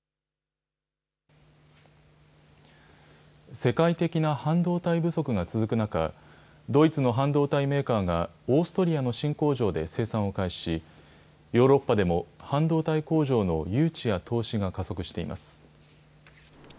世界的な半導体不足が続く中、ドイツの半導体メーカーが、オーストリアの新工場で生産を開始し、ヨーロッパでも半導体工場の誘致や投資が加速しています。